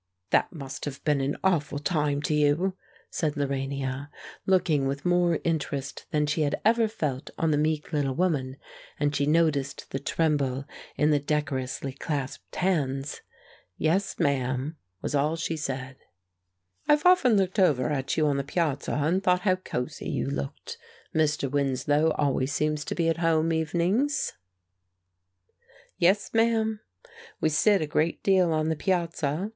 "That must have been an awful time to you," said Lorania, looking with more interest than she had ever felt on the meek little woman; and she noticed the tremble in the decorously clasped hands. "Yes, ma'am," was all she said. "I've often looked over at you on the piazza, and thought how cosey you looked. Mr. Winslow always seems to be at home evenings." "Yes, ma'am. We sit a great deal on the piazza.